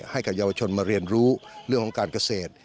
ให้กับเยาวชนมาเรียนรู้เรื่องของการเกษตร